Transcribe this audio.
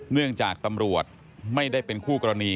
เนื่องจากตำรวจไม่ได้เป็นคู่กรณี